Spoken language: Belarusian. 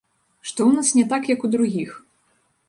Што ў нас не так, як у другіх?